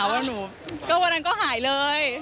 วันนี้ก็หายเลย